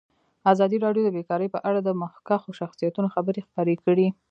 ازادي راډیو د بیکاري په اړه د مخکښو شخصیتونو خبرې خپرې کړي.